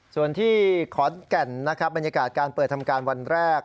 ส่วนที่ขอนแก่นนะครับบรรยากาศการเปิดทำการวันแรก